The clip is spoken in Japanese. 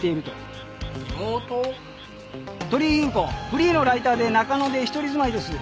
フリーのライターで中野で一人住まいです。